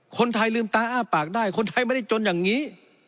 คนไทยลืมตาอ้าปากได้คนไทยไม่ได้จนอย่างนี้